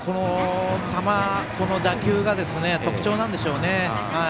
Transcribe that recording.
この打球が特徴なんでしょうね。